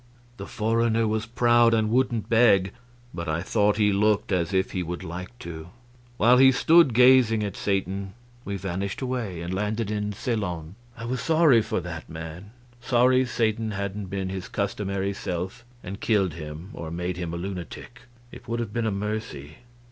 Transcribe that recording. The foreigner was proud and wouldn't beg, but I thought he looked as if he would like to. While he stood gazing at Satan we vanished away and landed in Ceylon. I was sorry for that man; sorry Satan hadn't been his customary self and killed him or made him a lunatic. It would have been a mercy.